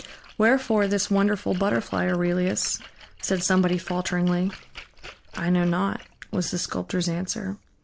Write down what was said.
"Wherefore this wonderful butterfly, Aurelius?" said somebody falteringly. "I know not" was the sculptor's answer.